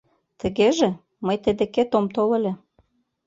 Тыгеже, мый тый декет ом тол ыле.